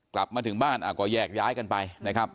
กลับมาถึงบ้านก็แยกย้ายกันไปนะครับ